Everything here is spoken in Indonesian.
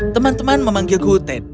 teman teman memanggilku ted